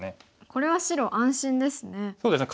これは白安心ですね。